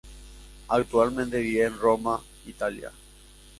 Actualmente vive en Roma, Italia.